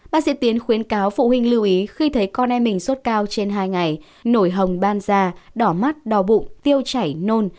bác sĩ tiến khuyến cáo phụ huynh lưu ý khi thấy con em mình sốt cao trên hai ngày nổi hồng ban da đỏ mắt đỏ bụng tiêu chảy nôn